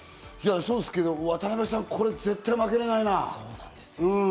渡辺さん、これ絶対負けられないな。